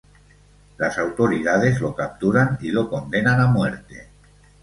Las autoridades lo capturan y lo condenan a muerte.